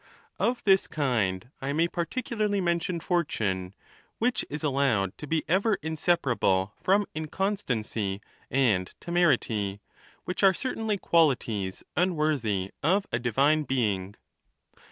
Of this kind I may particularly mention Fortune, which is allowed to be evei' inseparable from inconstancy and temerity, which are certainly qualities unworthy of a divine being.